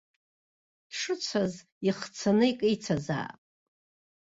Дшыцәаз ихцаны икеицазаап.